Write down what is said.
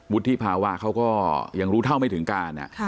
บุฏทฤพาวาเขายังรู้เท่าไม่ถึงการ